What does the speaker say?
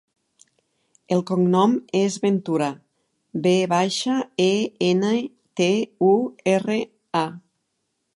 El cognom és Ventura: ve baixa, e, ena, te, u, erra, a.